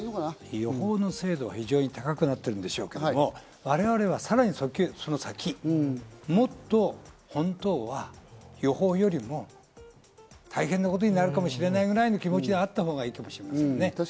予報の精度は高くなってるんでしょうけど、我々は、さらにその先、もっと本当は予報よりも大変なことになるかもしれないぐらいの気持ちであったほうがいいかもしれませんね。